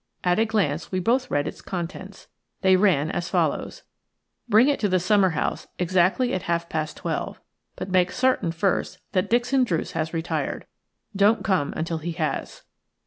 At a glance we both read its contents; they ran as follows:– "Bring it to the summer house exactly at half past twelve; but make certain first that Dixon Druce has retired. Don't come until he has."